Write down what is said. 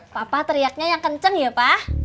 papa teriaknya yang kenceng ya pak